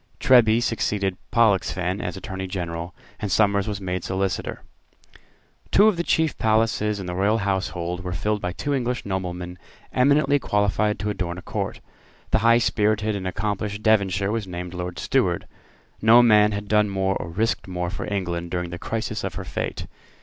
Treby succeeded Pollexfen as Attorney General; and Somers was made Solicitor. Two of the chief places in the Royal household were filled by two English noblemen eminently qualified to adorn a court. The high spirited and accomplished Devonshire was named Lord Steward. No man had done more or risked more for England during the crisis of her fate.